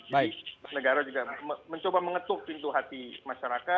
jadi negara juga mencoba mengetuk pintu hati masyarakat